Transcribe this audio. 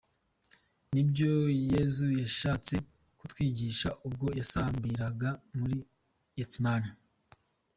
Ni byo Yezu yashatse kutwigisha ubwo yasambiraga muri Getsimani.